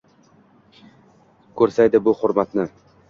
Ko’rsaydi bu hurmatni…